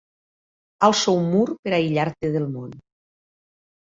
Alço un mur per aïllar-te del món.